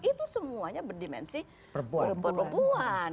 itu semuanya berdimensi perpuan